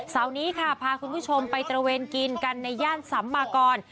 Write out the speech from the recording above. เสาร์นี้ค่ะพาคุณผู้ชมไปตระเวนกินกันในย่านสัมมากร